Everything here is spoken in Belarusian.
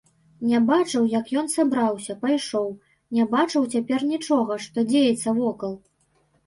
Не бачыў, як ён сабраўся, пайшоў, не бачыў цяпер нічога, што дзеецца вокал.